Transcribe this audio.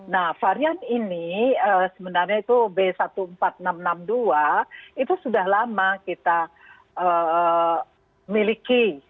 nah varian ini sebenarnya itu b seribu empat ribu enam ratus enam puluh dua itu sudah lama kita miliki